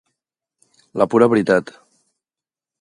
La pura veritat.